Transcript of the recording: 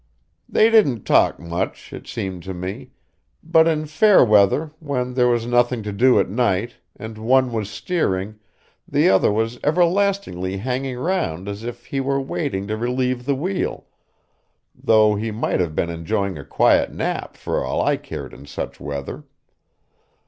They didn't talk much, it seemed to me; but in fair weather, when there was nothing to do at night, and one was steering, the other was everlastingly hanging round as if he were waiting to relieve the wheel, though he might have been enjoying a quiet nap for all I cared in such weather.